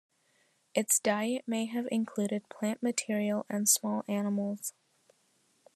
Its diet may have included plant material and small animals.